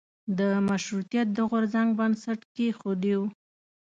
د مشروطیت د غورځنګ بنسټ کېښودیو.